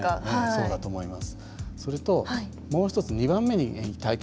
そうだと思います。